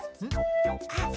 あっ！